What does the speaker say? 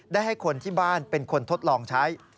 ให้คนที่บ้านเป็นคนทดลองใช้